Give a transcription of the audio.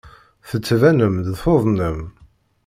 Tettbanem-d tuḍnem.